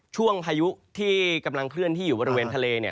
พายุที่กำลังเคลื่อนที่อยู่บริเวณทะเลเนี่ย